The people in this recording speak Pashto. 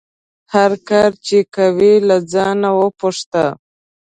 هر کار چې کوې له ځانه پوښته